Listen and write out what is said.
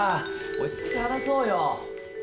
落ち着いて話そうよ。